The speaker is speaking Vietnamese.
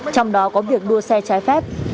trong đó có việc đua xe trái phép